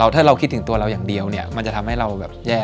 ถ้าเราคิดถึงตัวเราอย่างเดียวเนี่ยมันจะทำให้เราแบบแย่